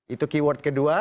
itu keyword kedua